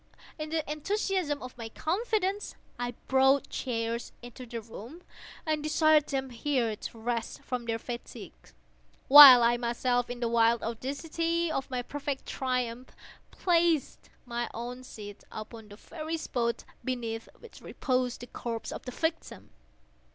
In the enthusiasm of my confidence, I brought chairs into the room, and desired them here to rest from their fatigues, while I myself, in the wild audacity of my perfect triumph, placed my own seat upon the very spot beneath which reposed the corpse of the victim.